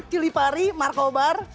cili pari markobar